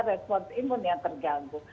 respon imun yang terganggu